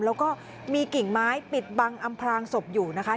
แล้วก็มีกิ่งไม้ปิดบังอำพลางศพอยู่นะคะ